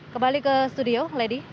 kembali ke studio ladi